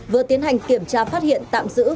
vừa tiến hành kiểm tra phát hiện tạm giữ